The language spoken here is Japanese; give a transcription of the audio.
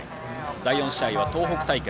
第４試合は東北対決。